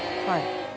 はい。